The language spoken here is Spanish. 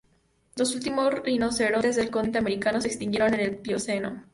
Los últimos rinocerontes del continente americano se extinguieron en el Plioceno.